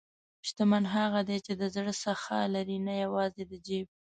شتمن هغه دی چې د زړه سخا لري، نه یوازې د جیب.